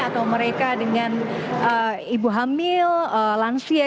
atau mereka dengan ibu hamil lansia